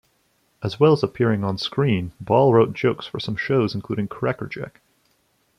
As well as appearing on screen Ball wrote jokes for some shows including Crackerjack.